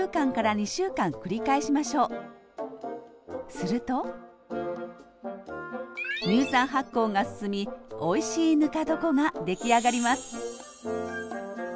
すると乳酸発酵が進みおいしいぬか床ができあがります